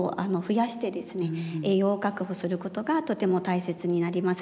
栄養を確保することがとても大切になります。